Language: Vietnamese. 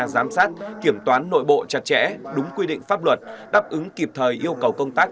giám sát kiểm toán nội bộ chặt chẽ đúng quy định pháp luật đáp ứng kịp thời yêu cầu công tác